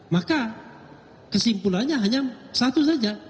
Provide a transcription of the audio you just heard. maka kesimpulannya hanya satu saja